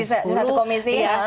di satu komisi ya